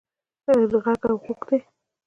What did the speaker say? ږغ او ږوغ دی.